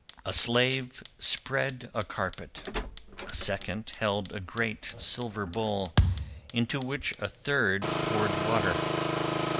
A slave spread a carpet, a second held a great silver bowl, into which a third poured water.